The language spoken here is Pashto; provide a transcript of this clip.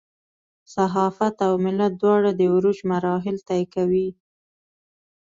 صحافت او ملت دواړه د عروج مراحل طی کوي.